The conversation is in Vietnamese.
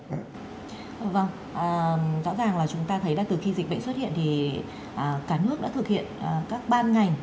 vâng rõ ràng là chúng ta thấy là từ khi dịch bệnh xuất hiện thì cả nước đã thực hiện các ban ngành